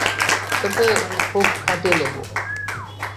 তোকে খুব খাটিয়ে নেব।